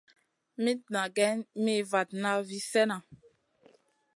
Mitta geyn mi vatna vi slèhna.